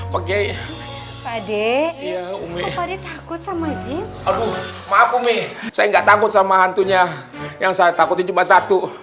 pakai pade takut sama jin maaf umi saya enggak takut sama hantunya yang saya takut cuma satu